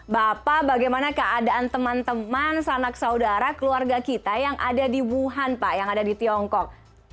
bapak bagaimana keadaan teman teman sanak saudara keluarga kita yang ada di wuhan pak yang ada di tiongkok